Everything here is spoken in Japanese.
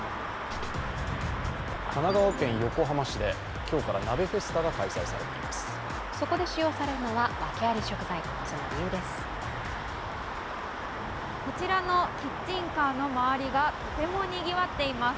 神奈川県横浜市で今日から鍋フェスタが開催されています。